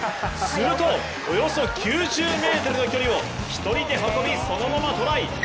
するとおよそ９０ｍの距離を１人で運びそのままトライ。